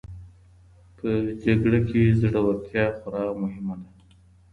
په جګړه کي زړورتیا خورا مهمه ده.